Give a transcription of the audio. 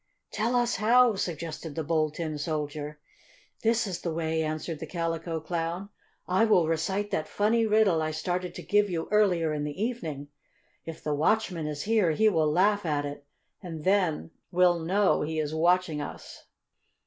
"Tell us how!" suggested the Bold Tin Soldier. "This is the way," answered the Calico Clown. "I will recite that funny riddle I started to give you earlier in the evening. If the watchman is here he will laugh at it, and then well know he is watching us."